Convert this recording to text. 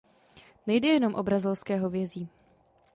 Nejde jenom o brazilské hovězí.